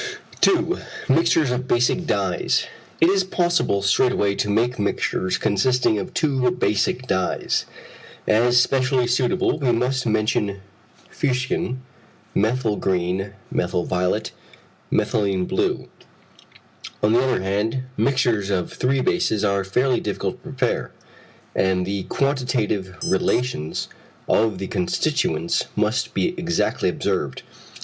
2. Mixtures of basic dyes. It is possible straight away to make mixtures consisting of two basic dyes. As specially suitable we must mention fuchsin, methyl green, methyl violet, methylene blue. On the other hand, mixtures of three bases are fairly difficult to prepare, and the quantitative relations of the constituents must be exactly observed.